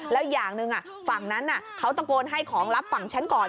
แล้วอย่างหนึ่งฝั่งนั้นเขาตะโกนให้ของลับฝั่งฉันก่อน